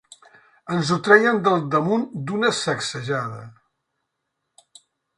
Ens ho trèiem del damunt d'una sacsejada.